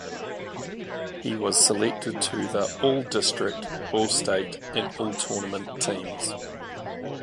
He was selected to the all-district, all-state and all-tournament teams.